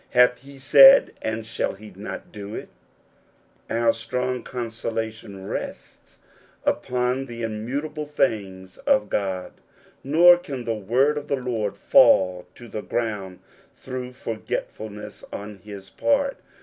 " Hath he said, and shall he not do it ?" Our strong consolation rests upon the im mutable things of God. Nor can the word of the Lord fall to the ground through forgetfulness on his part.